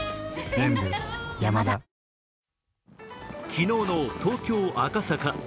昨日の東京・赤坂。